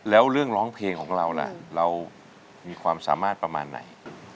แล้วเรื่องร้องเพลงของเราล่ะเรามีความสามารถประมาณไหน